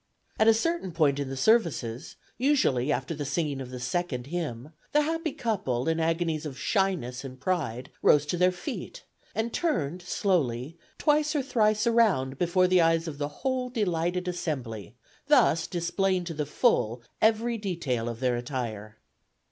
... At a certain point in the services, usually after the singing of the second hymn, the happy couple, in agonies of shyness and pride, rose to their feet, and turned slowly twice or thrice around before the eyes of the whole delighted assembly, thus displaying to the full every detail of their attire."